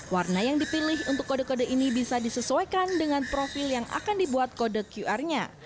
warna yang dipilih untuk kode kode ini bisa disesuaikan dengan profil yang akan dibuat kode qr nya